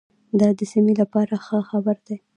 دا د سیمې لپاره ښه خبر دی.